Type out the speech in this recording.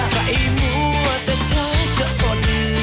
ใครรู้ว่าแต่ช้าจะอ่อน